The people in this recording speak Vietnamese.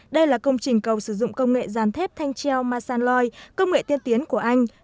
đây là công trình cầu sử dụng công nghệ giàn thép thanh treo masanloi công nghệ tiên tiến của anh